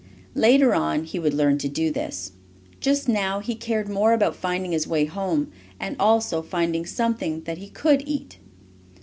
Later on he would learn to do this. Just now he cared more about finding his way home, and also finding something that he could eat.